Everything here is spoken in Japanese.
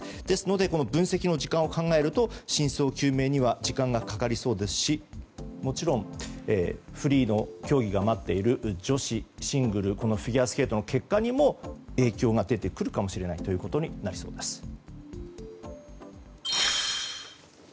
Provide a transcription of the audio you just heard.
ですので、分析の時間を考えると真相究明には時間がかかりそうですしもちろんフリーの競技が待っているフィギュアスケート女子シングルの結果にも影響が出てくるかもしれないということになりそうです。